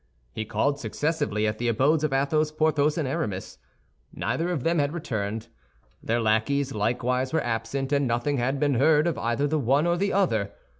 He called successively at the abodes of Athos, Porthos, and Aramis. Neither of them had returned. Their lackeys likewise were absent, and nothing had been heard of either the one or the other.